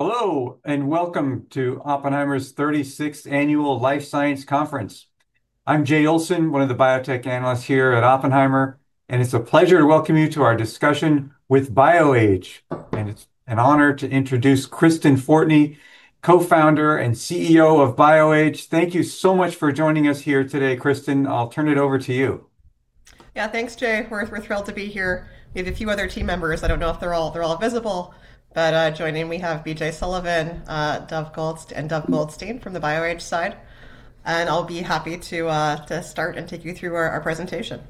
Hello, welcome to Oppenheimer's 36th Annual Life Science Conference. I'm Jay Olson, one of the biotech analysts here at Oppenheimer, it's a pleasure to welcome you to our discussion with BioAge. It's an honor to introduce Kristen Fortney, Co-Founder and CEO of BioAge. Thank you so much for joining us here today, Kristen. I'll turn it over to you. Yeah, thanks, Jay. We're thrilled to be here. We have a few other team members. I don't know if they're all visible, but joining, we have BJ Sullivan, Dov Goldstein from the BioAge side, and I'll be happy to start and take you through our presentation.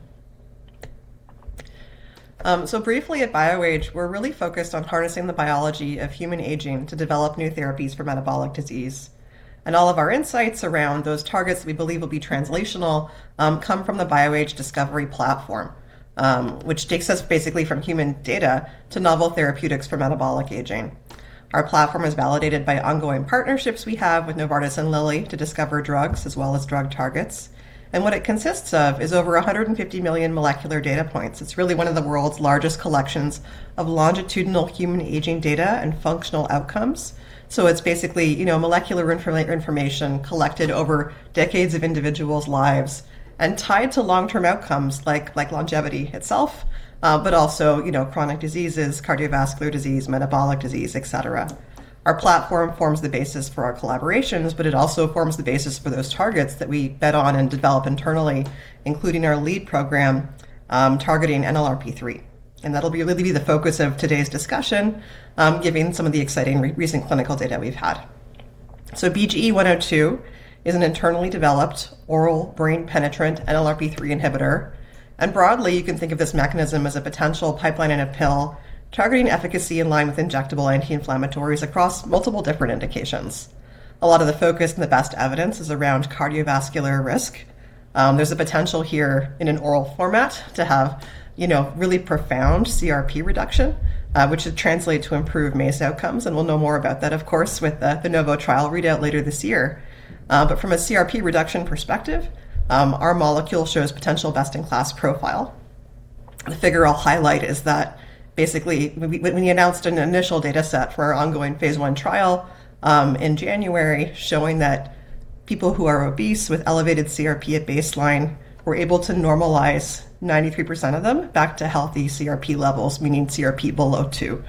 Briefly, at BioAge, we're really focused on harnessing the biology of human aging to develop new therapies for metabolic disease. All of our insights around those targets we believe will be translational, come from the BioAge Discovery Platform, which takes us basically from human data to novel therapeutics for metabolic aging. Our platform is validated by ongoing partnerships we have with Novartis and Lilly to discover drugs as well as drug targets. What it consists of is over 150 million molecular data points. It's really one of the world's largest collections of longitudinal human aging data and functional outcomes. It's basically, you know, molecular information collected over decades of individuals' lives and tied to long-term outcomes like longevity itself, but also, you know, chronic diseases, cardiovascular disease, metabolic disease, et cetera. Our platform forms the basis for our collaborations, but it also forms the basis for those targets that we bet on and develop internally, including our lead program, targeting NLRP3. That'll really be the focus of today's discussion, giving some of the exciting recent clinical data we've had. BGE-102 is an internally developed oral brain-penetrant NLRP3 inhibitor, and broadly, you can think of this mechanism as a potential pipeline in a pill, targeting efficacy in line with injectable anti-inflammatories across multiple different indications. A lot of the focus and the best evidence is around cardiovascular risk. There's a potential here in an oral format to have, you know, really profound CRP reduction, which translate to improved MACE outcomes, and we'll know more about that, of course, with the Novo trial readout later this year. From a CRP reduction perspective, our molecule shows potential best-in-class profile. The figure I'll highlight is that basically, when we announced an initial data set for our ongoing phase I trial in January, showing that people who are obese with elevated CRP at baseline were able to normalize 93% of them back to healthy CRP levels, meaning CRP below two.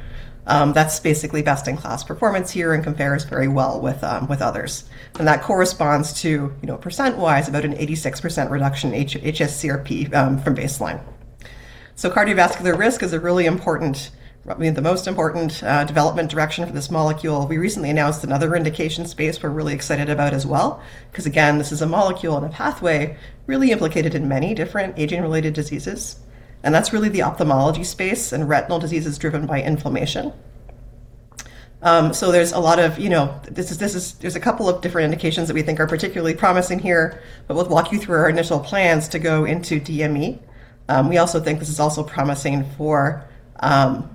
That's basically best-in-class performance here and compares very well with others. That corresponds to, you know, percent-wise, about an 86% reduction hs-CRP from baseline. Cardiovascular risk is a really important, probably the most important, development direction for this molecule. We recently announced another indication space we're really excited about as well, 'cause again, this is a molecule and a pathway really implicated in many different aging-related diseases, and that's really the ophthalmology space and retinal diseases driven by inflammation. You know, this is there's two different indications that we think are particularly promising here, but we'll walk you through our initial plans to go into DME. We also think this is also promising for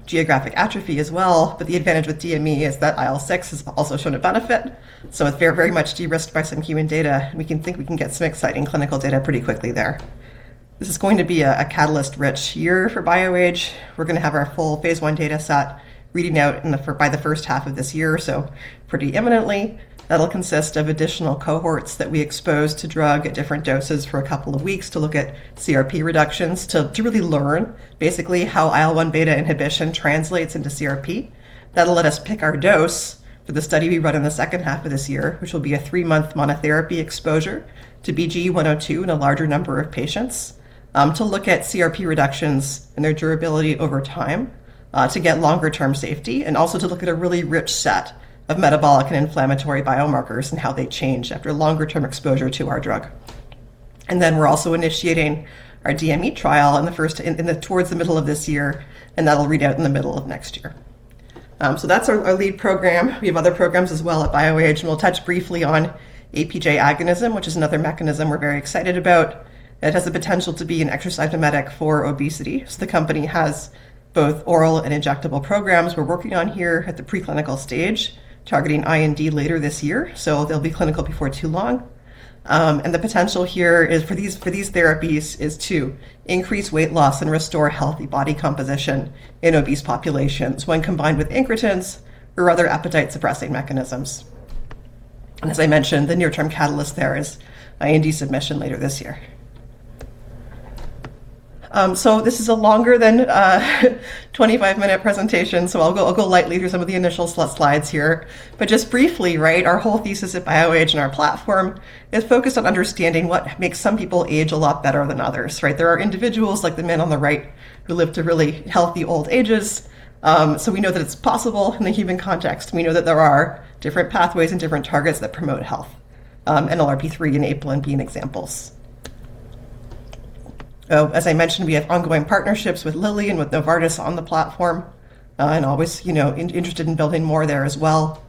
geographic atrophy as well. The advantage with DME is that IL-6 has also shown a benefit. It's very much de-risked by some human data, and we can think we can get some exciting clinical data pretty quickly there. This is going to be a catalyst-rich year for BioAge. We're going to have our full phase I data set reading out by the first half of this year. Pretty imminently. That'll consist of additional cohorts that we expose to drug at different doses for a couple of weeks to look at CRP reductions, to really learn basically how IL-1β inhibition translates into CRP. That'll let us pick our dose for the study we run in the second half of this year, which will be a three-month monotherapy exposure to BGE-102 in a larger number of patients, to look at CRP reductions and their durability over time, to get longer-term safety, and also to look at a really rich set of metabolic and inflammatory biomarkers and how they change after longer-term exposure to our drug. We're also initiating our DME trial towards the middle of this year, and that'll read out in the middle of next year. That's our lead program. We have other programs as well at BioAge, we'll touch briefly on APJ agonism, which is another mechanism we're very excited about, that has the potential to be an exercise mimetic for obesity. The company has both oral and injectable programs we're working on here at the preclinical stage, targeting IND later this year, so they'll be clinical before too long. The potential here is for these therapies is to increase weight loss and restore healthy body composition in obese populations when combined with incretins or other appetite-suppressing mechanisms. As I mentioned, the near-term catalyst there is IND submission later this year. This is a longer than 25-minute presentation, so I'll go lightly through some of the initial slides here. Just briefly, right, our whole thesis at BioAge and our platform is focused on understanding what makes some people age a lot better than others, right? There are individuals like the man on the right who live to really healthy old ages, so we know that it's possible in the human context. We know that there are different pathways and different targets that promote health, NLRP3 and APLN being examples. As I mentioned, we have ongoing partnerships with Lilly and with Novartis on the platform, and always, you know, interested in building more there as well.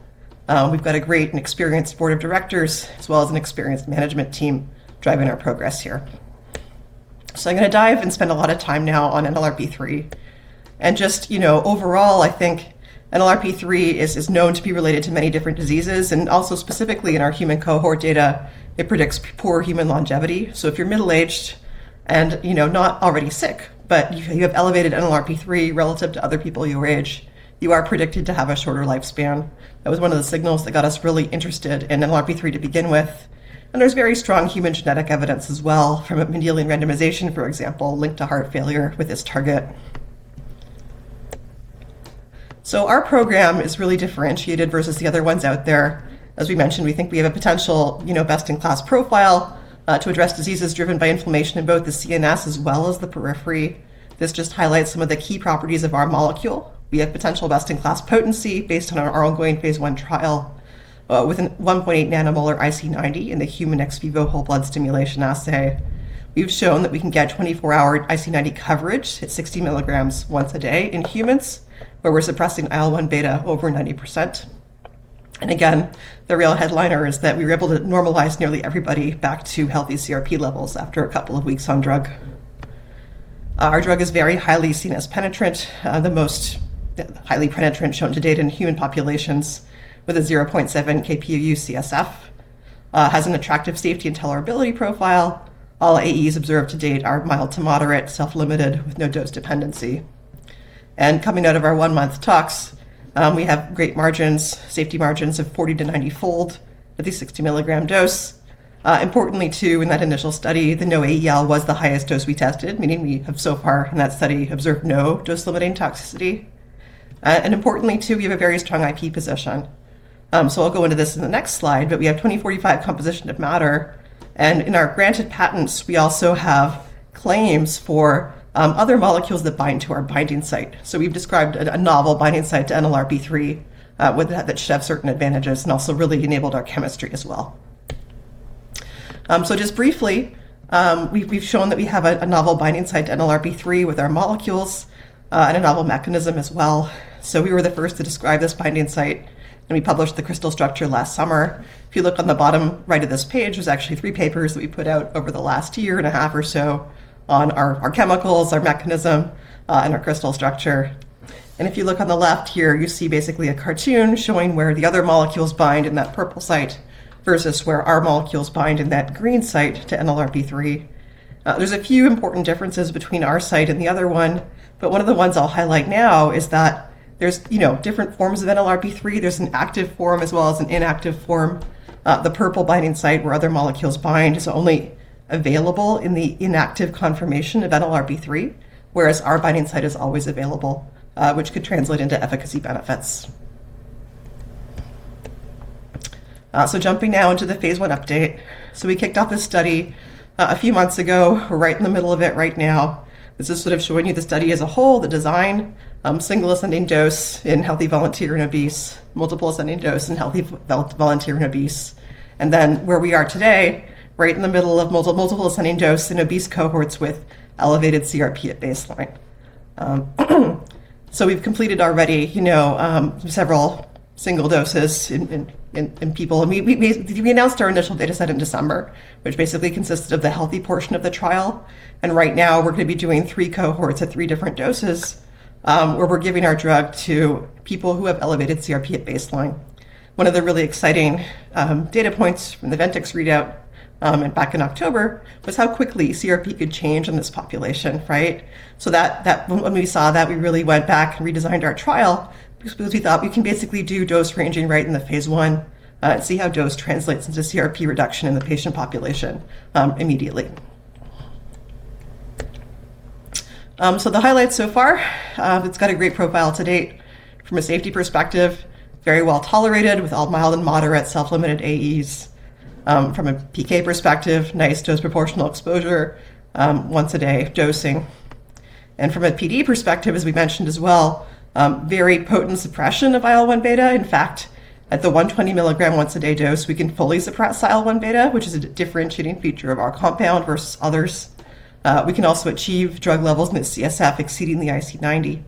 We've got a great and experienced board of directors, as well as an experienced management team driving our progress here. I'm going to dive and spend a lot of time now on NLRP3. Just, you know, overall, I think NLRP3 is known to be related to many different diseases, and also specifically in our human cohort data, it predicts poor human longevity. If you're middle-aged and, you know, not already sick, but you have elevated NLRP3 relative to other people your age, you are predicted to have a shorter lifespan. That was one of the signals that got us really interested in NLRP3 to begin with, and there's very strong human genetic evidence as well from a Mendelian randomization, for example, linked to heart failure with this target. Our program is really differentiated versus the other ones out there. As we mentioned, we think we have a potential, you know, best-in-class profile to address diseases driven by inflammation in both the CNS as well as the periphery. This just highlights some of the key properties of our molecule. We have potential best-in-class potency based on our ongoing phase I trial with an 1.8 nM IC90 in the human Ex Vivo whole blood stimulation assay. We've shown that we can get 24-hour IC90 coverage at 60 mg once a day in humans, where we're suppressing IL-1β over 90%. Again, the real headliner is that we were able to normalize nearly everybody back to healthy CRP levels after a couple of weeks on drug. Our drug is very highly CNS penetrant, the most highly penetrant shown to date in human populations with a 0.7 Kp,uu CSF, has an attractive safety and tolerability profile. All AEs observed to date are mild to moderate, self-limited, with no dose dependency. Coming out of our one-month tox, we have great margins, safety margins of 40-90 fold at the 60 mg dose. Importantly, too, in that initial study, the NOAEL was the highest dose we tested, meaning we have so far in that study observed no dose-limiting toxicity. Importantly, too, we have a very strong IP position. I'll go into this in the next slide, but we have 2045 composition of matter, and in our granted patents, we also have claims for other molecules that bind to our binding site. We've described a novel binding site to NLRP3 with that should have certain advantages and also really enabled our chemistry as well. Just briefly, we've shown that we have a novel binding site to NLRP3 with our molecules and a novel mechanism as well. We were the first to describe this binding site, and we published the crystal structure last summer. If you look on the bottom right of this page, there's actually three papers that we put out over the last year and a half or so on our chemicals, our mechanism, and our crystal structure. If you look on the left here, you see basically a cartoon showing where the other molecules bind in that purple site versus where our molecules bind in that green site to NLRP3. There's a few important differences between our site and the other one, but one of the ones I'll highlight now is that there's, you know, different forms of NLRP3. There's an active form as well as an inactive form. The purple binding site, where other molecules bind, is only available in the inactive confirmation of NLRP3, whereas our binding site is always available, which could translate into efficacy benefits. Jumping now into the phase I update. We kicked off this study a few months ago, right in the middle of it right now. This is sort of showing you the study as a whole, the design, single ascending dose in healthy volunteer and obese, multiple ascending dose in healthy volunteer and obese. Where we are today, right in the middle of multiple ascending dose in obese cohorts with elevated CRP at baseline. We've completed already, you know, several single doses in people. We announced our initial data set in December, which basically consisted of the healthy portion of the trial. Right now, we're going to be doing three cohorts at three different doses, where we're giving our drug to people who have elevated CRP at baseline. One of the really exciting data points from the Ventyx readout back in October, was how quickly CRP could change in this population, right? When we saw that, we really went back and redesigned our trial because we thought we can basically do dose ranging right in the phase I and see how dose translates into CRP reduction in the patient population immediately. The highlights so far, it's got a great profile to date. From a safety perspective, very well tolerated, with all mild and moderate self-limited AEs. From a PK perspective, nice dose, proportional exposure, once-a-day dosing. From a PD perspective, as we mentioned as well, very potent suppression of IL-1β. In fact, at the 120 mg once-a-day dose, we can fully suppress IL-1β, which is a differentiating feature of our compound versus others. We can also achieve drug levels in the CSF exceeding the IC90.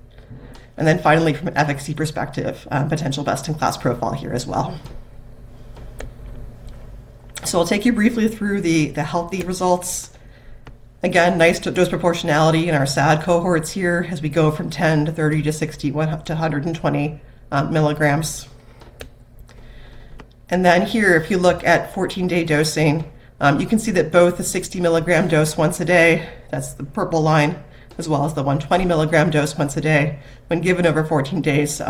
Finally, from an efficacy perspective, potential best-in-class profile here as well. I'll take you briefly through the healthy results. Again, nice dose proportionality in our SAD cohorts here as we go from 10 to 30 to 61 up to 120 mg. Here, if you look at 14-day dosing, you can see that both the 60 mg dose once a day, that's the purple line, as well as the 120 mg dose once a day, when given over 14 days,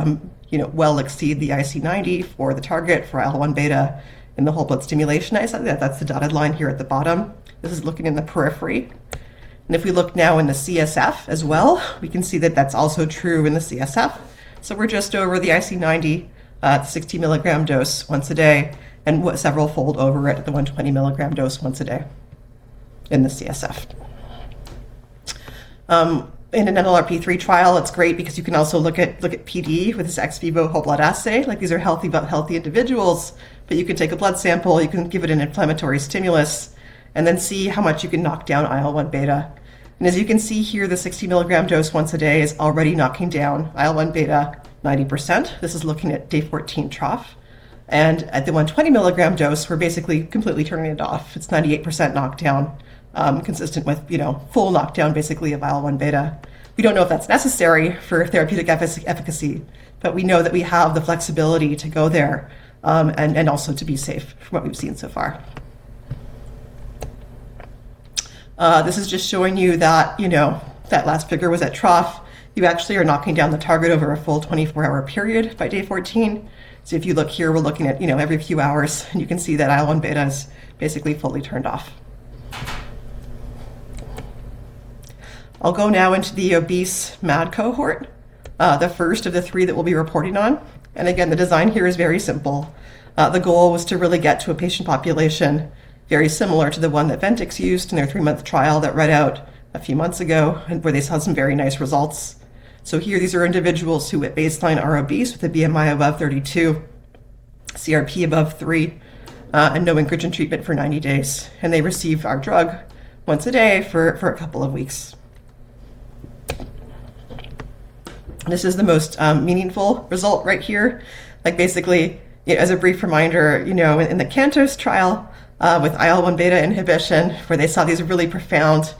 you know, well exceed the IC90 for the target for IL-1β in the whole blood stimulation assay. That's the dotted line here at the bottom. This is looking in the periphery. If we look now in the CSF as well, we can see that that's also true in the CSF. We're just over the IC90, 60 mg dose once a day, and several fold over it at the 120 mg dose once a day in the CSF. In an NLRP3 trial, it's great because you can also look at PD with this Ex Vivo whole blood assay. Like, these are healthy individuals, but you can take a blood sample, you can give it an inflammatory stimulus, and then see how much you can knock down IL-1β. As you can see here, the 60 mg dose once a day is already knocking down IL-1β 90%. This is looking at day 14 trough. At the 120 mg dose, we're basically completely turning it off. It's 98% knockdown, consistent with, you know, full lockdown, basically, of IL-1β. We don't know if that's necessary for therapeutic efficacy, but we know that we have the flexibility to go there, and also to be safe from what we've seen so far. This is just showing you that, you know, that last figure was at trough. You actually are knocking down the target over a full 24-hour period by day 14. If you look here, we're looking at, you know, every few hours, and you can see that IL-1β is basically fully turned off. I'll go now into the obese MAD cohort, the first of the three that we'll be reporting on. Again, the design here is very simple. The goal was to really get to a patient population very similar to the one that Ventyx used in their three-month trial that read out a few months ago, and where they saw some very nice results. Here, these are individuals who, at baseline, are obese with a BMI above 32, CRP above three, and no incretin treatment for 90 days, and they received our drug once a day for a couple of weeks. This is the most, meaningful result right here. Like, basically, as a brief reminder, you know, in the CANTOS trial, with IL-1β inhibition, where they saw these really profound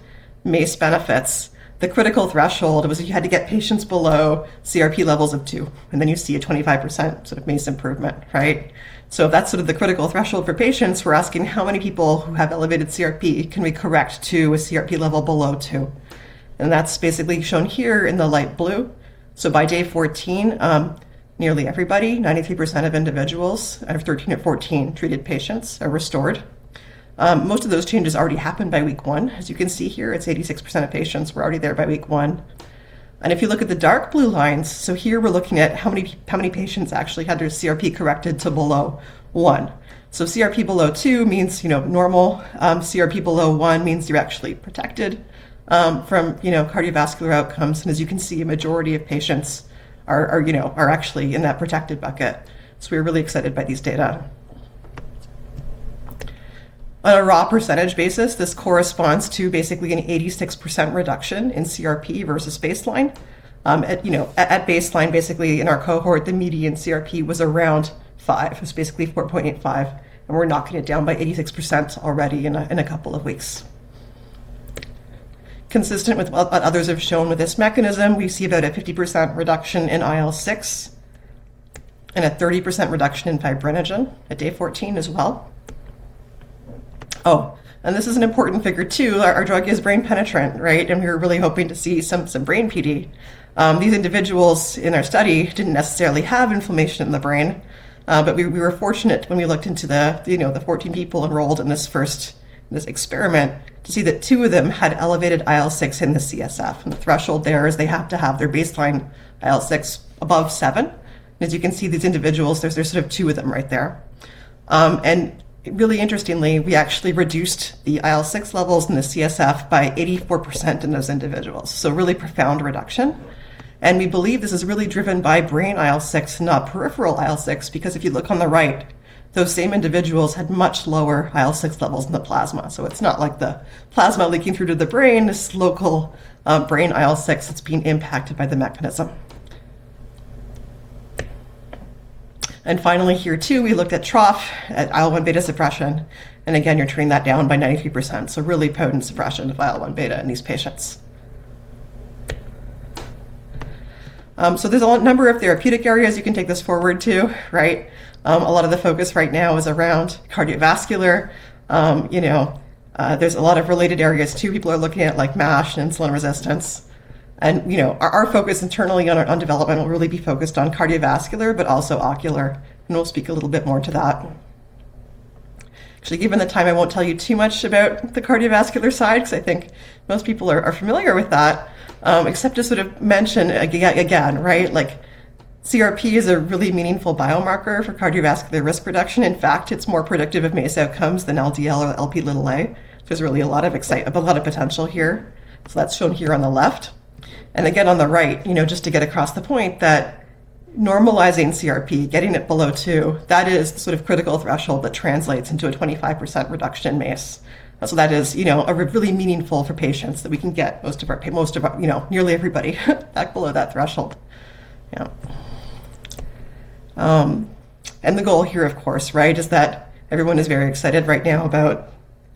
MACE benefits, the critical threshold was you had to get patients below CRP levels of two, and then you see a 25% sort of MACE improvement, right? If that's sort of the critical threshold for patients, we're asking how many people who have elevated CRP can we correct to a CRP level below two? That's basically shown here in the light blue. By day 14, nearly everybody, 93% of individuals out of 13 or 14 treated patients, are restored. Most of those changes already happened by week one. As you can see here, it's 86% of patients were already there by week one. If you look at the dark blue lines, here we're looking at how many patients actually had their CRP corrected to below one. CRP below two means, you know, normal. CRP below one means you're actually protected, you know, from cardiovascular outcomes. As you can see, a majority of patients are, you know, actually in that protected bucket. We're really excited by these data. On a raw percentage basis, this corresponds to basically an 86% reduction in CRP versus baseline. At, you know, at baseline, basically in our cohort, the median CRP was around five. It's basically 4.85, and we're knocking it down by 86% already in a couple of weeks. Consistent with what others have shown with this mechanism, we see about a 50% reduction in IL-6 and a 30% reduction in fibrinogen at day 14 as well. This is an important figure, too. Our drug is brain penetrant, right? We're really hoping to see some brain PD. These individuals in our study didn't necessarily have inflammation in the brain, but we were fortunate when we looked into the, you know, the 14 people enrolled in this experiment, to see that two of them had elevated IL-6 in the CSF. The threshold there is they have to have their baseline IL-6 above seven. As you can see, these individuals, there's sort of two of them right there. Really interestingly, we actually reduced the IL-6 levels in the CSF by 84% in those individuals. Really profound reduction. We believe this is really driven by brain IL-6, not peripheral IL-6, because if you look on the right, those same individuals had much lower IL-6 levels in the plasma. It's not like the plasma leaking through to the brain, this local brain IL-6 that's being impacted by the mechanism. Finally, here, too, we looked at trough, IL-1β suppression, and again, you're turning that down by 93%. Really potent suppression of IL-1β in these patients. There's a number of therapeutic areas you can take this forward to, right? A lot of the focus right now is around cardiovascular. You know, there's a lot of related areas, too. People are looking at, like, MASH and insulin resistance. You know, our focus internally on development will really be focused on cardiovascular, but also ocular, and we'll speak a little bit more to that. Actually, given the time, I won't tell you too much about the cardiovascular side, 'cause I think most people are familiar with that, except to sort of mention, again, right, like CRP is a really meaningful biomarker for cardiovascular risk reduction. In fact, it's more predictive of MACE outcomes than LDL or Lp(a). There's really a lot of potential here. That's shown here on the left. Again, on the right, you know, just to get across the point that normalizing CRP, getting it below two, that is the sort of critical threshold that translates into a 25% reduction in MACE. That is, you know, a really meaningful for patients, that we can get most of our, you know, nearly everybody, back below that threshold. Yeah. The goal here, of course, right, is that everyone is very excited right now about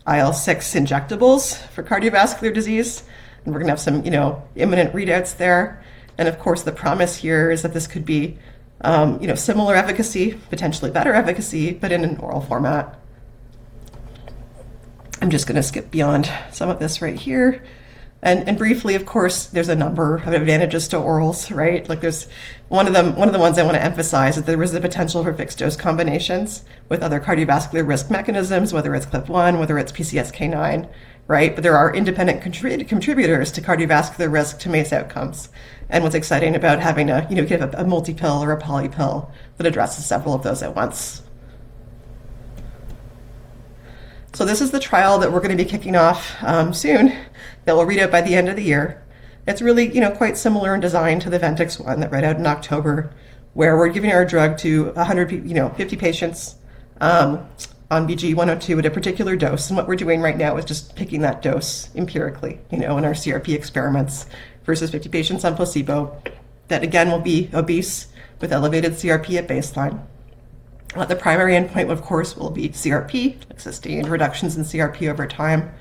IL-6 injectables for cardiovascular disease, and we're gonna have some, you know, imminent readouts there. Of course, the promise here is that this could be, you know, similar efficacy, potentially better efficacy, but in an oral format. I'm just gonna skip beyond some of this right here. Briefly, of course, there's a number of advantages to orals, right? Like, one of the ones I want to emphasize is there is the potential for fixed-dose combinations with other cardiovascular risk mechanisms, whether it's -1, whether it's PCSK9, right? there are independent contributors to cardiovascular risk, to MACE outcomes. what's exciting about having a, you know, a multi pill or a poly pill that addresses several of those at once. this is the trial that we're gonna be kicking off soon, that will read out by the end of the year. It's really, you know, quite similar in design to the Ventyx one that read out in October, where we're giving our drug to, you know, 50 patients on BGE-102 at a particular dose. what we're doing right now is just picking that dose empirically, you know, in our CRP experiments, versus 50 patients on placebo. That again, will be obese with elevated CRP at baseline. the primary endpoint, of course, will be CRP, existing reductions in CRP over time,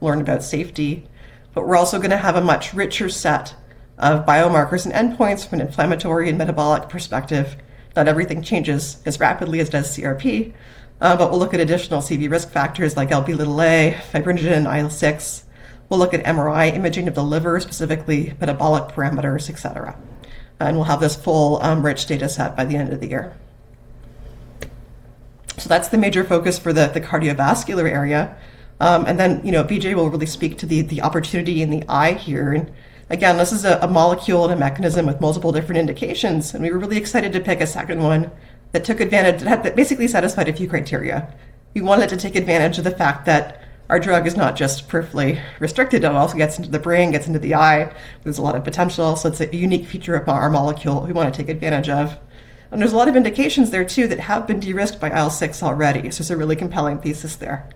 learn about safety. We're also gonna have a much richer set of biomarkers and endpoints from an inflammatory and metabolic perspective, not everything changes as rapidly as does CRP. We'll look at additional CV risk factors like Lp(a), fibrinogen, IL-6. We'll look at MRI imaging of the liver, specifically metabolic parameters, et cetera, and we'll have this full, rich data set by the end of the year. That's the major focus for the cardiovascular area. You know, BJ will really speak to the opportunity in the eye here. Again, this is a molecule and a mechanism with multiple different indications, and we were really excited to pick a second one that took advantage that basically satisfied a few criteria. We wanted to take advantage of the fact that our drug is not just peripherally restricted, it also gets into the brain, gets into the eye. There's a lot of potential, so it's a unique feature of our molecule we want to take advantage of. There's a lot of indications there, too, that have been de-risked by IL-6 already, so it's a really compelling thesis there.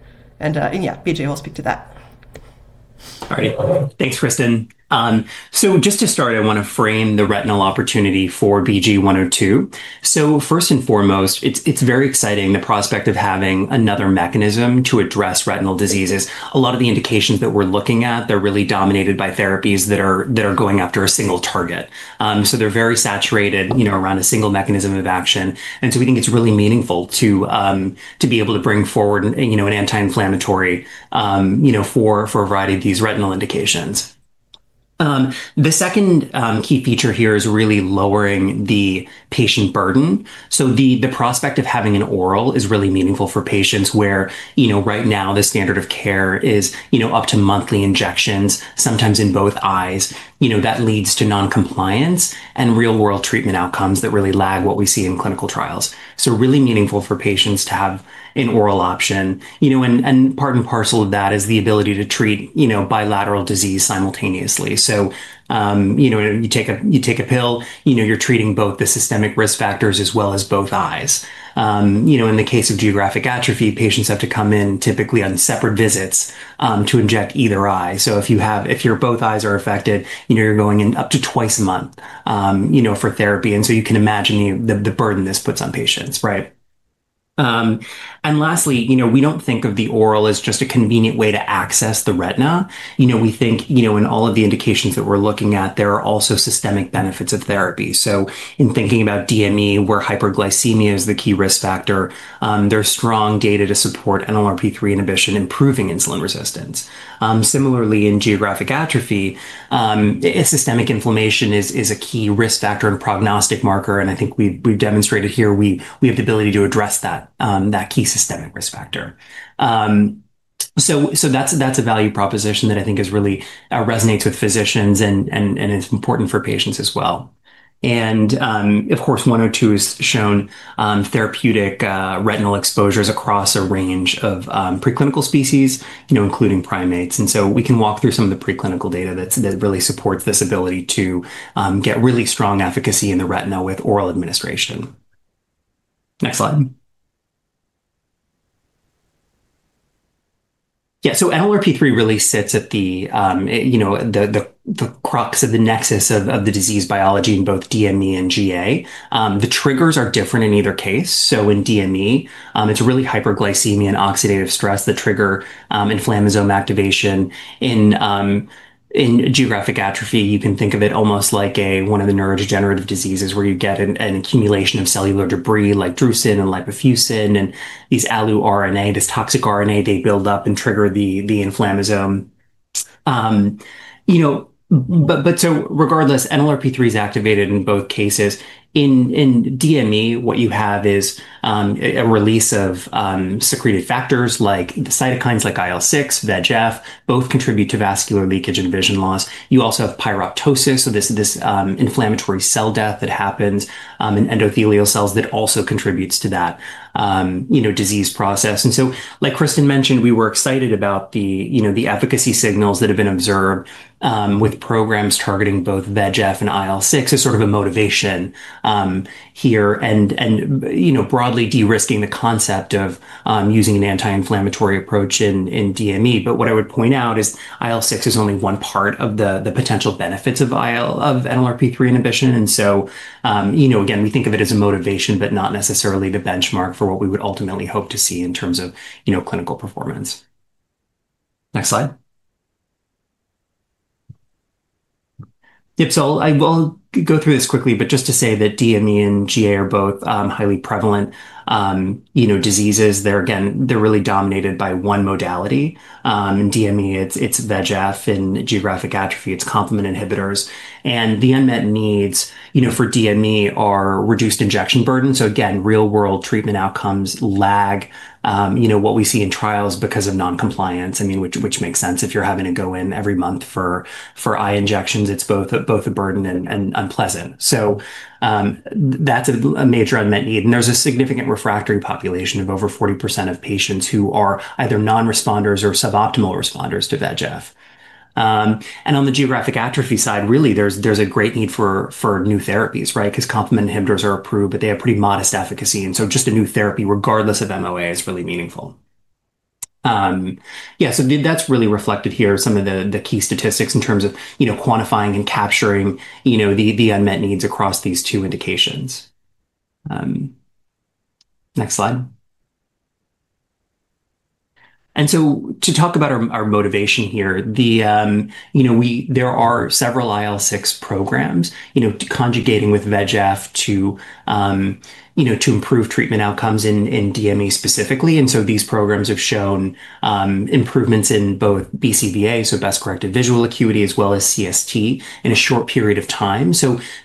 Yeah, BJ will speak to that. All right. Thanks, Kristen. Just to start, I want to frame the retinal opportunity for BGE-102. First and foremost, it's very exciting, the prospect of having another mechanism to address retinal diseases. A lot of the indications that we're looking at, they're really dominated by therapies that are going after a single target. They're very saturated, you know, around a single mechanism of action, we think it's really meaningful to be able to bring forward, you know, an anti-inflammatory, you know, for a variety of these retinal indications. The second key feature here is really lowering the patient burden. The prospect of having an oral is really meaningful for patients, where, you know, right now, the standard of care is, you know, up to monthly injections, sometimes in both eyes. You know, that leads to non-compliance and real-world treatment outcomes that really lag what we see in clinical trials. Really meaningful for patients to have an oral option, you know, and part and parcel of that is the ability to treat, you know, bilateral disease simultaneously. You know, you take a pill, you know, you're treating both the systemic risk factors as well as both eyes. You know, in the case of geographic atrophy, patients have to come in typically on separate visits, to inject either eye. If your both eyes are affected, you know, you're going in up to twice a month, you know, for therapy, and so you can imagine the burden this puts on patients, right? Lastly, you know, we don't think of the oral as just a convenient way to access the retina. You know, we think, you know, in all of the indications that we're looking at, there are also systemic benefits of therapy. In thinking about DME, where hyperglycemia is the key risk factor, there's strong data to support NLRP3 inhibition, improving insulin resistance. Similarly, in geographic atrophy, systemic inflammation is a key risk factor and prognostic marker, and I think we've demonstrated here we have the ability to address that key systemic risk factor. That's a value proposition that I think is really resonates with physicians and it's important for patients as well. Of course, BGE-102 is shown therapeutic retinal exposures across a range of preclinical species, you know, including primates. We can walk through some of the preclinical data that really supports this ability to get really strong efficacy in the retina with oral administration. Next slide. NLRP3 really sits at the, you know, the crux of the nexus of the disease biology in both DME and GA. The triggers are different in either case. In DME, it's really hyperglycemia and oxidative stress that trigger inflammasome activation. In geographic atrophy, you can think of it almost like a, one of the neurodegenerative diseases, where you get an accumulation of cellular debris, like drusen and lipofuscin and these Alu RNA, this toxic RNA, they build up and trigger the inflammasome. You know, regardless, NLRP3 is activated in both cases. In DME, what you have is a release of secreted factors like cytokines, like IL-6, VEGF, both contribute to vascular leakage and vision loss. You also have pyroptosis, so this inflammatory cell death that happens in endothelial cells that also contributes to that, you know, disease process. Like Kristen mentioned, we were excited about the, you know, the efficacy signals that have been observed with programs targeting both VEGF and IL-6 as sort of a motivation here and, you know, broadly de-risking the concept of using an anti-inflammatory approach in DME. What I would point out is IL-6 is only one part of the potential benefits of NLRP3 inhibition. You know, again, we think of it as a motivation, but not necessarily the benchmark for what we would ultimately hope to see in terms of, you know, clinical performance. Next slide. I will go through this quickly, but just to say that DME and GA are both highly prevalent, you know, diseases. They're again, really dominated by one modality. In DME, it's VEGF, in geographic atrophy, it's complement inhibitors. The unmet needs, you know, for DME are reduced injection burden. Again, real-world treatment outcomes lag, you know, what we see in trials because of non-compliance. I mean, which makes sense if you're having to go in every month for eye injections, it's both a burden and unpleasant. That's a major unmet need, and there's a significant refractory population of over 40% of patients who are either non-responders or suboptimal responders to VEGF. On the geographic atrophy side, really, there's a great need for new therapies, right? Complement inhibitors are approved, but they have pretty modest efficacy, just a new therapy, regardless of MOA, is really meaningful. That's really reflected here, some of the key statistics in terms of, you know, quantifying and capturing, you know, the unmet needs across these two indications. Next slide. To talk about our motivation here, you know, there are several IL-6 programs, you know, conjugating with VEGF to, you know, to improve treatment outcomes in DME specifically. These programs have shown improvements in both BCVA, so best-corrected visual acuity, as well as CST in a short period of time.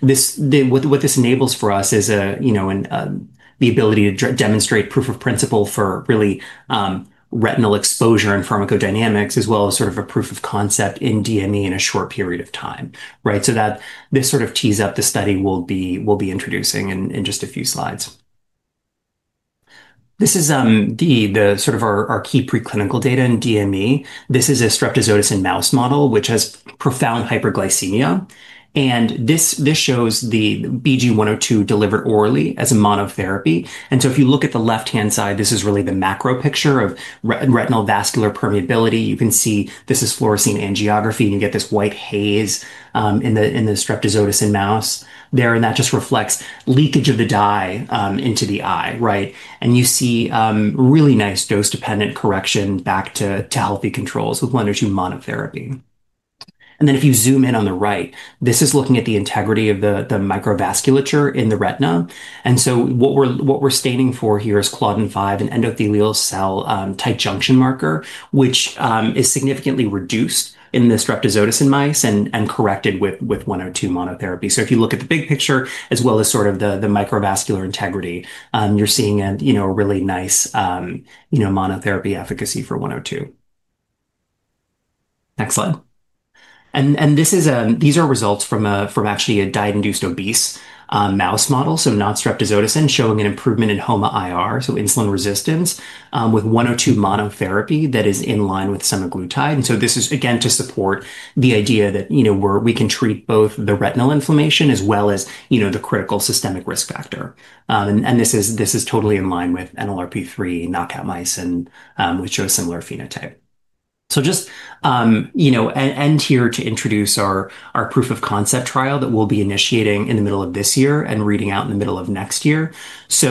What this enables for us is the ability to demonstrate proof of principle for really retinal exposure and pharmacodynamics, as well as sort of a proof of concept in DME in a short period of time, right? This sort of tees up the study we'll be introducing in just a few slides. This is the sort of our key preclinical data in DME. This is a streptozotocin mouse model, which has profound hyperglycemia, and this shows the BGE-102 delivered orally as a monotherapy. If you look at the left-hand side, this is really the macro picture of retinal vascular permeability. You can see this is fluorescein angiography, and you get this white haze in the streptozotocin mouse there, and that just reflects leakage of the dye into the eye, right? You see really nice dose-dependent correction back to healthy controls with one or two monotherapy. If you zoom in on the right, this is looking at the integrity of the microvasculature in the retina. What we're staining for here is claudin-5, an endothelial cell tight junction marker, which is significantly reduced in the streptozotocin mice and corrected with 102 monotherapy. If you look at the big picture, as well as sort of the microvascular integrity, you're seeing a, you know, a really nice, you know, monotherapy efficacy for 102. Next slide. And this is, these are results from actually a diet-induced obese mouse model, so not streptozotocin, showing an improvement in HOMA-IR, so insulin resistance, with 102 monotherapy that is in line with semaglutide. This is, again, to support the idea that, you know, we can treat both the retinal inflammation as well as, you know, the critical systemic risk factor. This is totally in line with NLRP3 knockout mice and which show a similar phenotype. Just, you know, and here to introduce our proof of concept trial that we'll be initiating in the middle of this year and reading out in the middle of next year. It's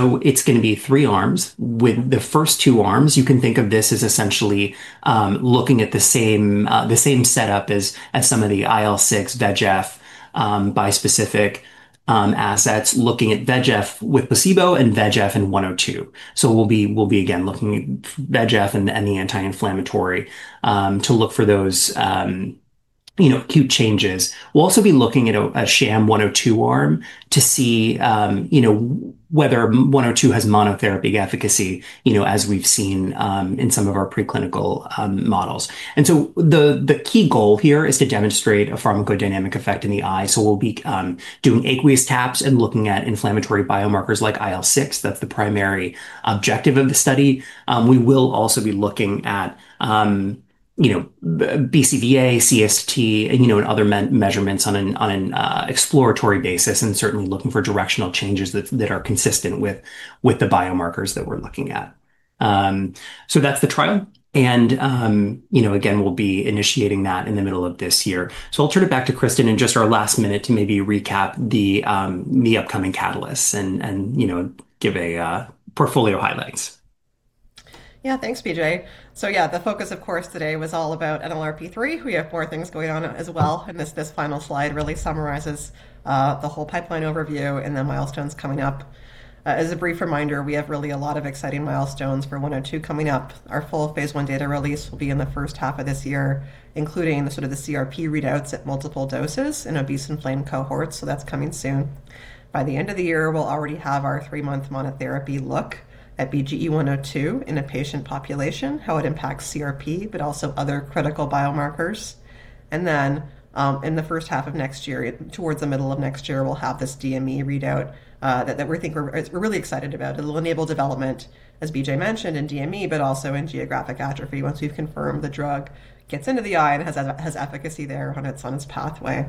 going to be three arms. With the first two arms, you can think of this as essentially, looking at the same, the same setup as some of the IL-6 VEGF bispecific assets, looking at VEGF with placebo and VEGF and 102. We'll be, again, looking at VEGF and the anti-inflammatory to look for those, you know, acute changes. We'll also be looking at a sham 102 arm to see, you know, whether one or two has monotherapy efficacy, you know, as we've seen in some of our preclinical models. The key goal here is to demonstrate a pharmacodynamic effect in the eye. We'll be doing aqueous taps and looking at inflammatory biomarkers like IL-6. That's the primary objective of the study. We will also be looking at, you know, BCVA, CST, and, you know, and other measurements on an exploratory basis, and certainly looking for directional changes that are consistent with the biomarkers that we're looking at. That's the trial, and, you know, again, we'll be initiating that in the middle of this year. I'll turn it back to Kristen in just our last minute to maybe recap the upcoming catalysts and, you know, give a portfolio highlights. Yeah, thanks, BJ. Yeah, the focus, of course, today was all about NLRP3. We have four things going on as well, and this final slide really summarizes the whole pipeline overview and the milestones coming up. As a brief reminder, we have really a lot of exciting milestones for 102 coming up. Our full phase I data release will be in the first half of this year, including the sort of the CRP readouts at multiple doses in obese and inflamed cohorts, so that's coming soon. By the end of the year, we'll already have our three-month monotherapy look at BGE-102 in a patient population, how it impacts CRP, but also other critical biomarkers. Then, in the first half of next year, towards the middle of next year, we'll have this DME readout that we're really excited about. It'll enable development, as BJ mentioned, in DME, but also in geographic atrophy, once we've confirmed the drug gets into the eye and has efficacy there when it's on its pathway.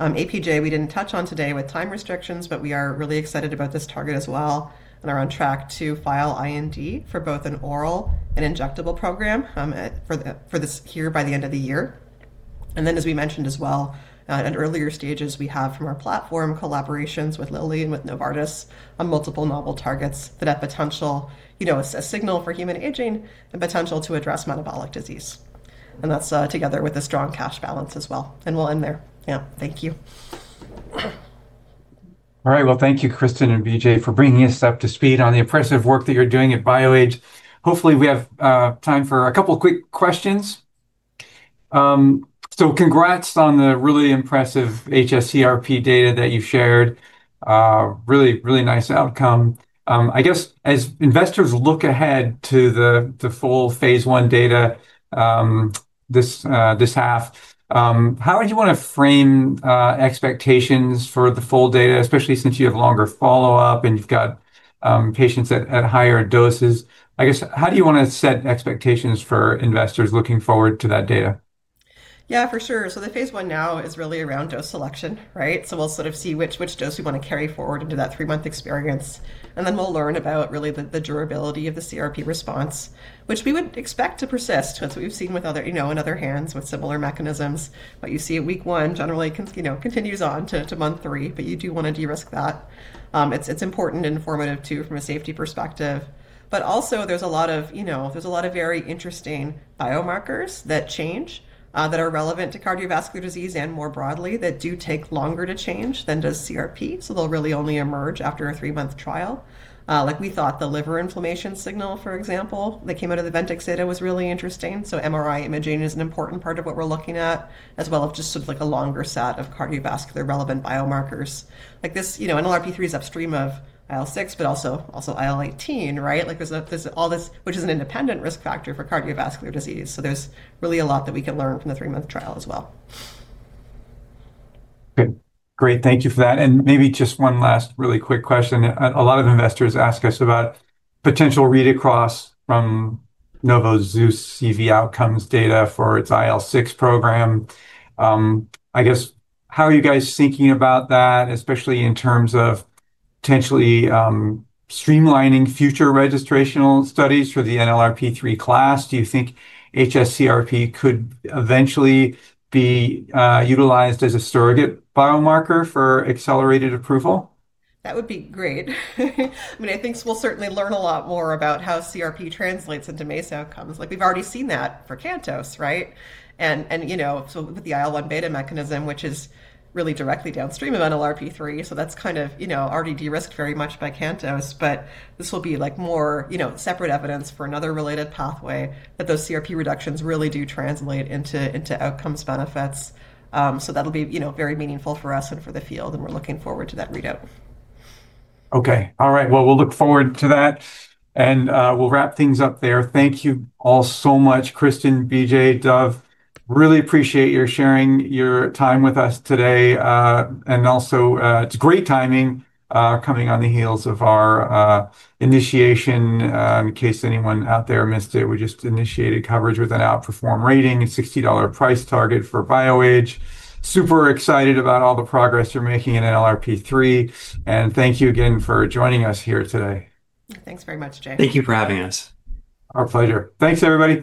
APJ, we didn't touch on today with time restrictions, but we are really excited about this target as well and are on track to file IND for both an oral and injectable program for this year by the end of the year. As we mentioned as well, at earlier stages, we have from our platform collaborations with Lilly and with Novartis on multiple novel targets that have potential, you know, a signal for human aging and potential to address metabolic disease. That's together with a strong cash balance as well, and we'll end there. Yeah. Thank you. All right. Well, thank you, Kristen and BJ, for bringing us up to speed on the impressive work that you're doing at BioAge. Hopefully, we have time for a couple quick questions. Congrats on the really impressive hs-CRP data that you've shared. Really, really nice outcome. I guess as investors look ahead to the full phase I data, this half, how would you want to frame expectations for the full data, especially since you have longer follow-up and you've got patients at higher doses? I guess, how do you want to set expectations for investors looking forward to that data? Yeah, for sure. The phase I now is really around dose selection, right? We'll sort of see which dose we want to carry forward into that three-month experience, and then we'll learn about really the durability of the CRP response, which we would expect to persist. That's what we've seen with other, you know, in other hands with similar mechanisms. What you see at week one generally you know, continues on to month three, but you do want to de-risk that. It's important and informative, too, from a safety perspective. Also, there's a lot of, you know, very interesting biomarkers that change that are relevant to cardiovascular disease and more broadly, that do take longer to change than does CRP, so they'll really only emerge after a three-month trial. Like we thought the liver inflammation signal, for example, that came out of the Ventyx data was really interesting, so MRI imaging is an important part of what we're looking at, as well as just sort of like a longer set of cardiovascular-relevant biomarkers. This, you know, NLRP3 is upstream of IL-6, but also IL-18, right? Like, there's all this, which is an independent risk factor for cardiovascular disease, so there's really a lot that we can learn from the three-month trial as well. Good. Great, thank you for that, and maybe just one last really quick question. A lot of investors ask us about potential read-across from Novo's ZEUS outcomes data for its IL-6 program. I guess, how are you guys thinking about that, especially in terms of potentially, streamlining future registrational studies for the NLRP3 class? Do you think hs-CRP could eventually be, utilized as a surrogate biomarker for accelerated approval? That would be great. I mean, I think we'll certainly learn a lot more about how CRP translates into MACE outcomes. Like, we've already seen that for CANTOS, right? You know, so with the IL-1β mechanism, which is really directly downstream of NLRP3, so that's kind of, you know, already de-risked very much by CANTOS. This will be, like, more, you know, separate evidence for another related pathway, that those CRP reductions really do translate into outcomes benefits. That'll be, you know, very meaningful for us and for the field, and we're looking forward to that readout. Okay. All right, well, we'll look forward to that, and we'll wrap things up there. Thank you all so much, Kristen, BJ, Dov. Really appreciate your sharing your time with us today, and also, it's great timing, coming on the heels of our initiation. In case anyone out there missed it, we just initiated coverage with an outperform rating and $60 price target for BioAge. Super excited about all the progress you're making in NLRP3, and thank you again for joining us here today. Thanks very much, Jay. Thank you for having us. Our pleasure. Thanks, everybody.